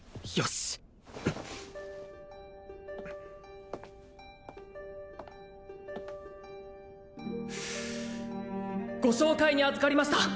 しっご紹介にあずかりました